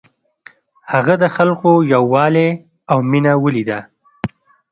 هغه د خلکو یووالی او مینه ولیده.